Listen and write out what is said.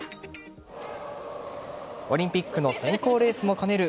オリンピックの選考レースも兼ねる